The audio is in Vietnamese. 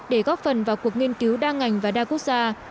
để góp phần vào cuộc nghiên cứu đa ngành và đa quốc gia